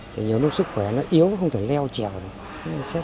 thì nhiều lúc sức khỏe nó yếu không thể leo trèo được xét